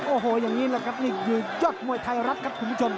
โอ้โหอย่างนี้แหละครับนี่คือยอดมวยไทยรัฐครับคุณผู้ชม